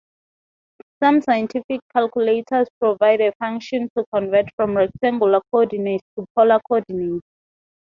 Some scientific calculators provide a function to convert from rectangular coordinates to polar coordinates.